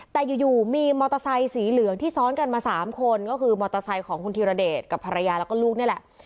แต่อยู่มีมอเตอร์ไซค์สีเหลืองที่ซ้อนกันมา๓คนก็คือมอเตอร์ไซค์ของคุณธีรเดชกับภรรยาแล้วก็ลูกนี่แหละ